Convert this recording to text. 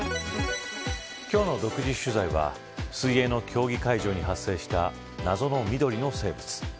今日の独自取材は水泳の競技会場に発生した謎の緑の生物。